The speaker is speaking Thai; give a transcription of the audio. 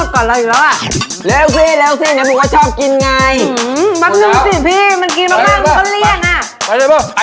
เค้าเลิกหมดก่อนเราอีกแล้วว่ะ